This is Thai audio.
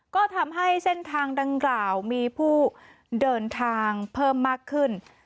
ก็ทำให้เส้นทางดังกล่าวมีผู้เดินทางเพิ่มมากขึ้น